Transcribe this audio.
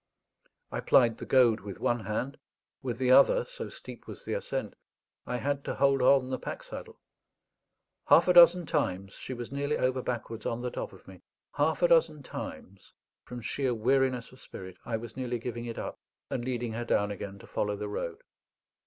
I plied the goad with one hand; with the other, so steep was the ascent, I had to hold on the pack saddle. Half a dozen times she was nearly over backwards on the top of me; half a dozen times, from sheer weariness of spirit, I was nearly giving it up, and leading her down again to follow the road.